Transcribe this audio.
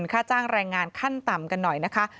ค่าจ้างแรงงานขั้นต่ำกันหน่อยนะคะ